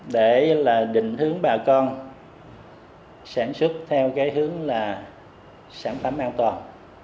để định hướng bà con sản xuất theo hướng sản phẩm an toàn